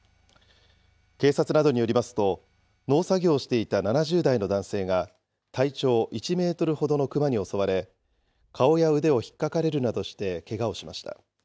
警察などによりますと、農作業をしていた７０代の男性が体長１メートルほどのクマに襲われ、顔や腕をひっかかれるなどしてけがをしました。